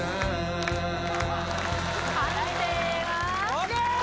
ＯＫ